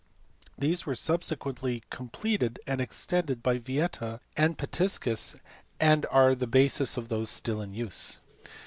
These were subsequently completed and extended by Yieta and Pitiscus, and are the basis of those still in use.